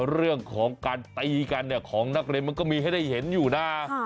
เรื่องของการตีกันของนักเรียนมันก็มีให้ได้เห็นอยู่นะ